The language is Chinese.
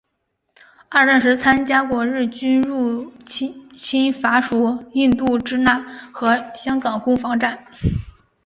二战时参加过日军入侵法属印度支那和香港攻防战。